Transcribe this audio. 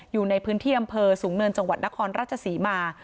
อยู่ในพื้นที่อำเภอสูงเนินจังหวัดนครราชศรีมา